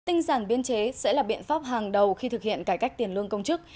tinh giản biên chế sẽ là biện pháp hàng đầu khi thực hiện cải cách tiền lương công chức